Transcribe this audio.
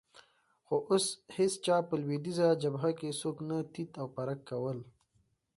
خو اوس هېڅ چا په لوېدیځه جبهه کې څوک نه تیت او پرک کول.